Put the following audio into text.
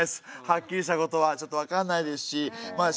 はっきりしたことはちょっと分かんないですしまあ